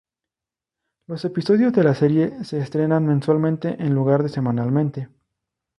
Los episodios de la serie se estrenan mensualmente en lugar de semanalmente.